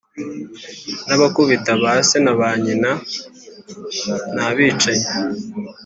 n’abakubita ba se na ba nyina, n’abicanyi